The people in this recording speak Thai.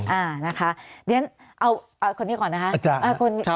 ครับคุณนะคะเดี๋ยวเอาคนนี้ก่อนนะคะ